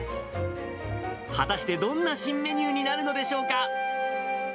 果たして、どんな新メニューになるのでしょうか。